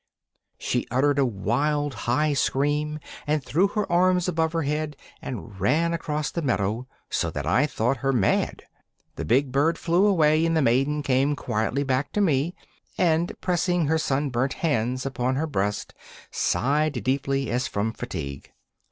She uttered a wild, high scream, threw her arms above her head, and ran across the meadow so that I thought her mad. The big bird flew away, and the maiden came quietly back to me, and, pressing her sunburnt hands upon her breast, sighed deeply, as from fatigue.